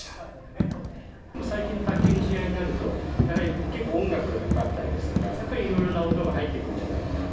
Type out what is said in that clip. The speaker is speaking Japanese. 最近の卓球の試合になると、やはり結構、音楽がかかったりですとか、やっぱりいろいろな音が入ってくるんじゃないのかなと。